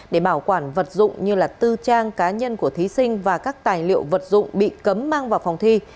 để bảo quản vật dụng như tư trang cá nhân của thí sinh và các tài liệu vật dụng bị cấm mang vào phòng thi